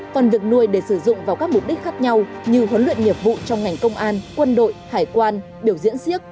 còn được nuôi để sử dụng vào các mục đích khác nhau như huấn luyện nghiệp vụ trong ngành công an quân đội hải quan biểu diễn siếc